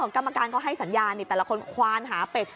กรรมการก็ให้สัญญาณแต่ละคนควานหาเป็ด